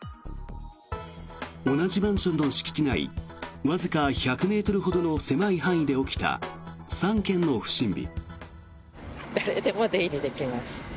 同じマンションの敷地内わずか１００ｍほどの狭い範囲で起きた３件の不審火。